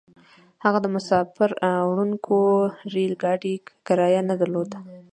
هغه د مساپر وړونکي ريل ګاډي کرايه نه درلوده.